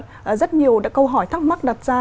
các dư luận rất nhiều đã câu hỏi thắc mắc đặt ra